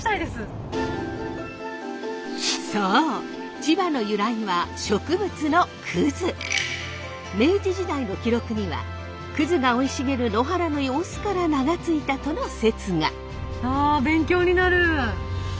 そう千葉の由来は植物の明治時代の記録にはが生い茂る野原の様子から名が付いたとの説が。